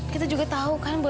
kita juga tahu kan